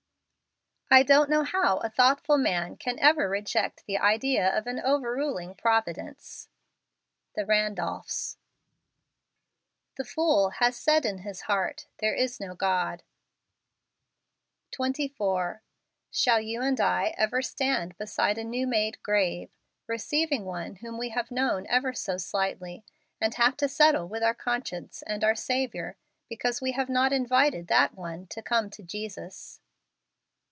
I don't know how a thoughtful man can ever reject the idea of an overruling Providence. The Randolphs. " The fool hath said in his heart, There is no God" JANUARY. 13 24. Shall you and I ever stand beside a new made grave, receiving one whom we have known ever so slightly, and have to settle with our conscience and our Saviour, because we have not invited that one to come to Jesus